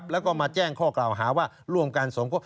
แล้วก็มาแจ้งข้อกล่าวหาว่าร่วมกันสมคบ